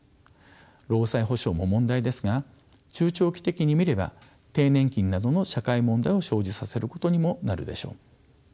労災補償も問題ですが中長期的に見れば低年金などの社会問題を生じさせることにもなるでしょう。